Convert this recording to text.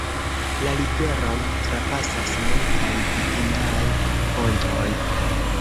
La riveron trapasas multaj vidindaj pontoj.